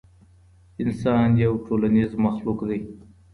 انسان يو ټولنيز مخلوق دی.